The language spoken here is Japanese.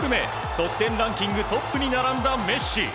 得点ランキングトップに並んだメッシ。